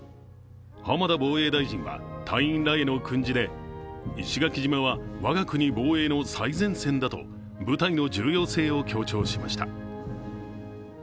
浜田防衛大臣は、隊員らへの訓示で石垣島は我が国防衛の最前線だと部隊の重要性を強調しました。